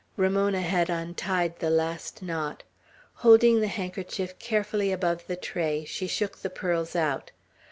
Ramona had untied the last knot. Holding the handkerchief carefully above the tray, she shook the pearls out.